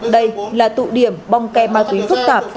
đây là tụ điểm bong ke ma túy phức tạp